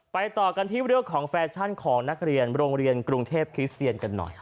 ไปต่อกันที่ที่เลือกของแฟชั่นของลงเรียนกรุงเทพคริสเซียนกันหน่อย